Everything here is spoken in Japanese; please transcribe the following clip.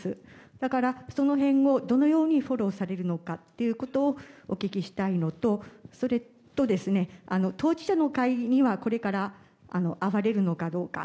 だから、その辺をどのようにフォローされるのかということをお聞きしたいのとそれと、当事者の会にはこれから会われるのかどうか。